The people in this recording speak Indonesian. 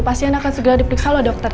pasien akan segera diperiksa loh dokter